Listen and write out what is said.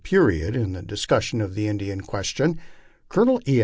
121 period in the discussion of the Indian question, Colonel E.